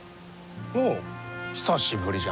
おう久しぶりじゃのう。